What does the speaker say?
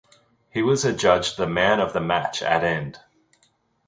He was adjudged the man of the match at end.